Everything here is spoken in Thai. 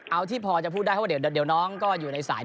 เอาที่พอจะพูดได้เพราะว่าเดี๋ยวน้องก็อยู่ในสาย